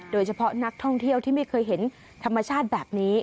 โดยเฉพาะนักท่องเที่ยวที่ไม่เคยเห็นธรรมชาติแบบนี้